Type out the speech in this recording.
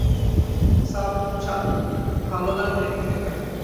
Sub ভাল লাগলে rating দিবেন।